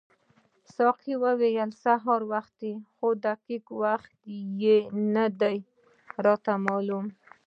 ساقي وویل سهار وختي خو دقیق وخت یې نه دی راته معلوم.